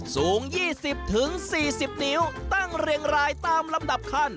สูง๒๐๔๐นิ้วตั้งเรียงรายตามลำดับขั้น